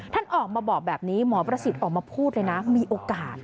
ท่านออกมาบอกแบบนี้หมอประสิทธิ์ออกมาพูดเลยนะมีโอกาส